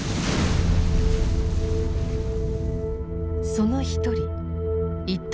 その一人一等